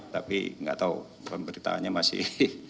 tapi nggak tahu pemberitaannya masih